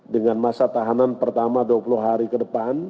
dengan masa tahanan pertama dua puluh hari ke depan